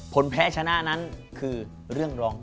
แพ้ชนะนั้นคือเรื่องร้อง